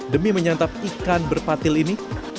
demi menyantap ikan berpatil ini